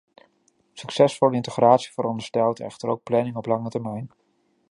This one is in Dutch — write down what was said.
Succesvolle integratie veronderstelt echter ook planning op lange termijn.